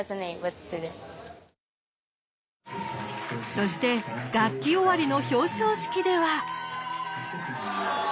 そして学期終わりの表彰式では。